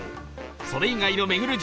それ以外の巡る